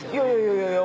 いやいや。